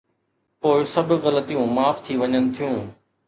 پوءِ سڀ غلطيون معاف ٿي وڃن ٿيون.